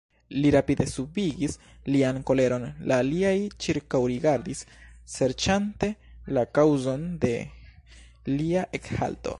Li rapide subigis lian koleron, la aliaj ĉirkaŭrigardis serĉante la kaŭzon de lia ekhalto.